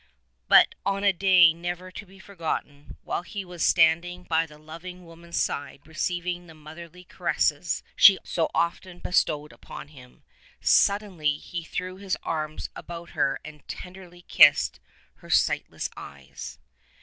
But on a day never tO' be forgotten, while he was standing by the loving woman's side receiving the motherly caresses she so often bestowed upon him — suddenly he threw his arms about her and tenderly kissed her sightless eyes.